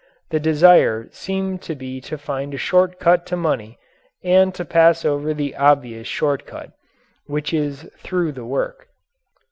The desire seemed to be to find a short cut to money and to pass over the obvious short cut which is through the work.